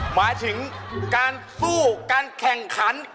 หมายถึงการสู้การแข่งขัน